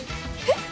えっ？